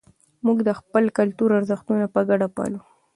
موږ د خپل کلتور ارزښتونه په ګډه پالو.